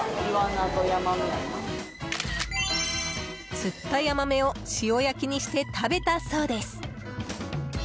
釣ったヤマメを塩焼きにして食べたそうです。